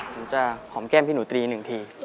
ผมจะหอมแก้มพี่หนูตีนึงที